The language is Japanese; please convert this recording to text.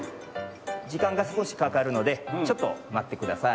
じかんがすこしかかるのでちょっとまってください。